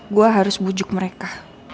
gue harus bujuk mereka